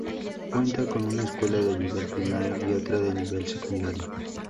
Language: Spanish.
Cuenta con una escuela de nivel primario, y otra de nivel secundario.